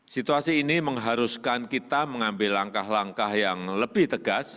situasi ini mengharuskan kita mengambil langkah langkah yang lebih tegas